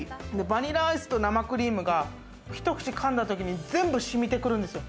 バニラアイスと生クリームが一口噛んだときに全部しみてくるんですよ。